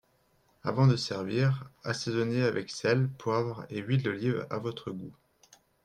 Avant de servir, assaisonner avec sel, poivre et huile d’olive à votre goût